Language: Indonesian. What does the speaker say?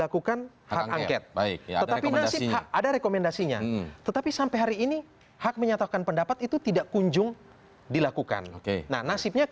kami akan segera mengulasnya